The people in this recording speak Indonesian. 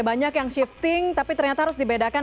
banyak yang shifting tapi ternyata harus dibedakan